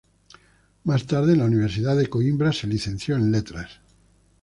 Más tarde, en la Universidad de Coímbra se licenció en Letras.